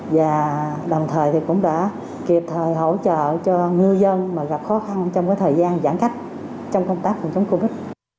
và đồng thời thì cũng đã kịp thời hỗ trợ cho ngư dân gặp khó khăn trong thời gian giãn cách trong công tác phòng chống covid